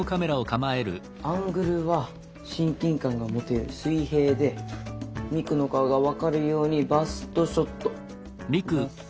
アングルは親近感が持てる水平でミクの顔が分かるようにバストショット。